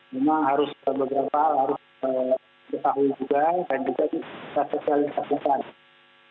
memang harus berbeza harus dipahami juga dan juga disesuaikan